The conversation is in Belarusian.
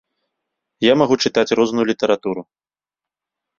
Я магу чытаць розную літаратуру.